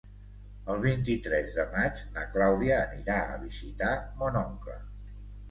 El vint-i-tres de maig na Clàudia anirà a visitar mon oncle.